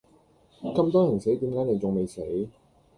咁多人死點解你仲未死？